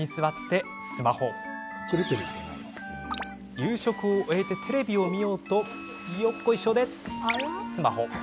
夕食を終えてテレビを見ようとよっこいしょ。